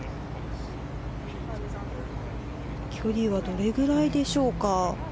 距離はどれくらいでしょうか。